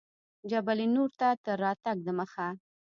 جبل النور ته تر راتګ دمخه.